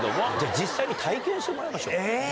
実際に体験してもらいましょう。